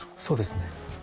そうですね。